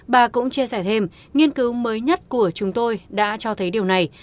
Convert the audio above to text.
bà cũng chia sẻ thêm nghiên cứu mới nhất của chúng tôi đã cho thấy điều này